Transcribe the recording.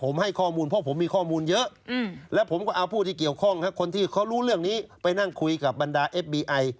ไม่ใช่ผมก็ทำนะครับ